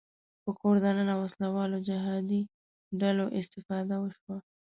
په کور دننه وسله والو جهادي ډلو استفاده وشوه